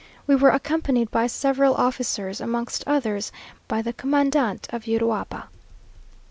We were accompanied by several officers amongst others, by the commandant of Uruapa.